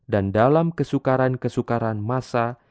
dan dalam kesukaran kesukaran masa